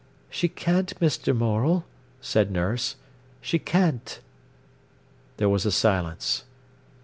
"She can't, Mr. Morel," said nurse. "She can't." There was a silence.